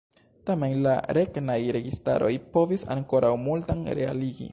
Tamen la regnaj registaroj povis ankoraŭ multan realigi.